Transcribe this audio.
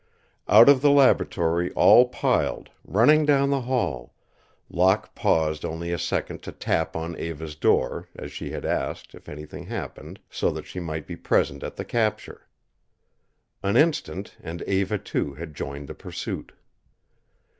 Out of the laboratory all piled, running down the hall, Locke paused only a second to tap on Eva's door, as she had asked, if anything happened, so that she might be present at the capture. An instant and Eva, too, had joined the pursuit.